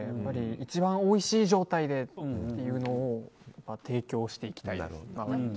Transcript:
一番おいしい状態でっていうのを提供していきたいなと。